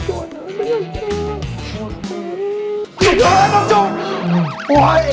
จุ๊กอยู่แล้วน้องจุ๊ก